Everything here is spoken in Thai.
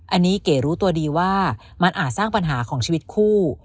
อันนี้เก๋รู้ตัวดีว่ามันอาจสร้างปัญหาของชีวิตคู่